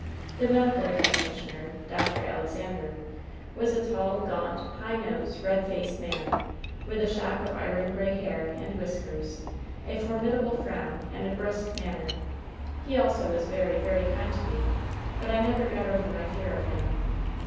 "The medical practitioner. Dr. Alexander, was a tall, gaunt, high nosed, red faced man, with a shock of iron gray hair and whiskers; a formidable frown and a brusque manner. He also was very, very kind to me, but I never got over my fear of him.